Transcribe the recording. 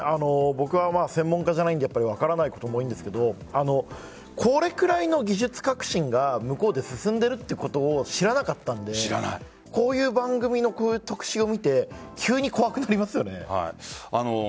僕は専門家じゃないので分からないことも多いんですがこれくらいの技術革新が向こうで進んでいるということを知らなかったのでこういう番組の特集を見て急に怖くなりますよね。